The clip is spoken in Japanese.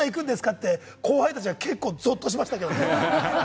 って、後輩たちは結構ゾッとしましたけれどもね。